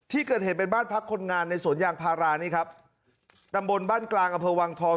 ที่เกิดเหตุเป็นบ้านพักคนงานในสวนยางพารานี่ครับตำบลบ้านกลางอำเภอวังทอง